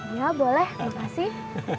iya boleh makasih